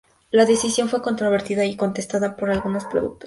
La decisión fue controvertida y contestada por algunos productores.